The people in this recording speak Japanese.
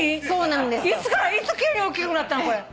いつからいつ急におっきくなったのこれ。